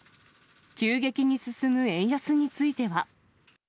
急激に進む円安については。